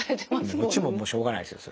こっちもしょうがないですよそれは。